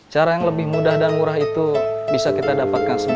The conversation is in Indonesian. cara yang lebih mudah dan murah itu bisa kita dapatkan semua